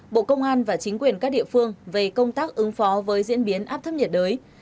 bộ công an và chính quyền các địa phương về công tác ứng phó với diễn biến áp thấp nhiệt đới